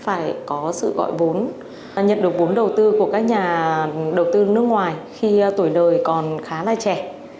phải có sự gọi vốn nhận được vốn đầu tư của các nhà đầu tư nước ngoài khi tuổi đời còn khá là trẻ